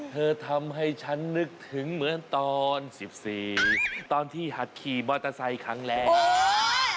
เธอทำให้ฉันนึกถึงเหมือนตอน๑๔ตอนที่หัดขี่มอเตอร์ไซค์ครั้งแรก